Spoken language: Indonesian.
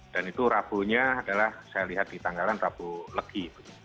dan itu rabunya adalah saya lihat di tanggalan rabu legi